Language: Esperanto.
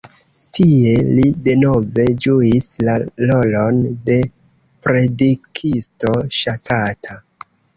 Tie li denove ĝuis la rolon de predikisto ŝatata.